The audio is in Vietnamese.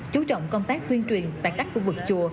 chú trọng công tác tuyên truyền tại các khu vực chùa